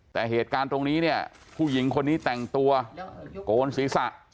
แต่เหตุการณ์ตรงนี้เนี่ยผู้หญิงคนนี้แต่งตัวโกนศีรษะ